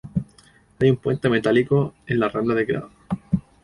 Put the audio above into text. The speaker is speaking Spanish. Hay un puente metálico en la rambla del Grado.